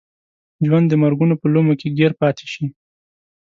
ژوند د مرګونو په لومو کې ګیر پاتې شي.